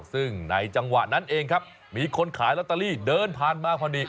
ซึ่งในจังหวะนั้นเองครับมีคนขายลอตเตอรี่เดินผ่านมาพอดี